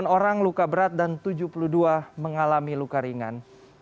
sembilan orang luka berat dan tujuh puluh dua mengalami luka ringan